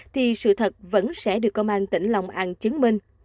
thì sự thật vẫn sẽ được công an tỉnh long an chứng minh